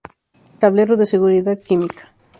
Tablero de Seguridad Química.